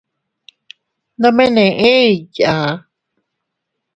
Nome neʼe igyaa.